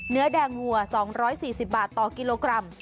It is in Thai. เนื้อแดงวัว๒๔๐บาทต่อกิโลกรัม